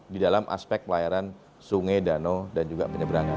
di dalam aspek pelayaran sungai danau dan juga penyeberangan